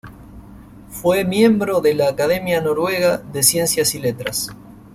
Fue miembro de la Academia Noruega de Ciencias y Letras.